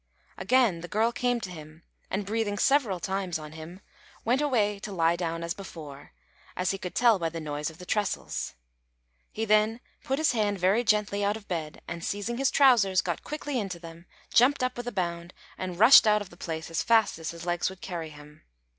Again the girl came to him, and breathing several times on him, went away to lie down as before, as he could tell by the noise of the trestles. He then put his hand very gently out of bed, and, seizing his trousers, got quickly into them, jumped up with a bound, and rushed out of the place as fast as his legs would carry him.